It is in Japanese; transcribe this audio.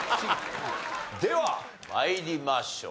では参りましょう。